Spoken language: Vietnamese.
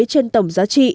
trên tổng giá trị